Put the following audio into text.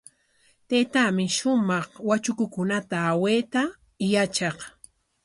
Taytaami shumaq watrakukunata awayta yatraq.